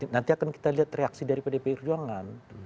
nanti akan kita lihat reaksi dari pdi perjuangan